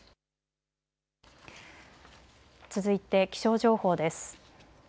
続いて気象情報です。